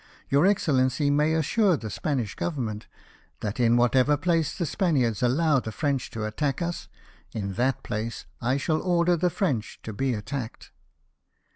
Your Excellency may assure the Spanish Government, that in whatever place the Spaniards allow the French to attack us, in that place I shall order the French to be attacked."